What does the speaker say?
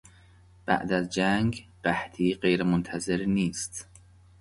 بعد از جنگ قحطی غیر منتظره نیست.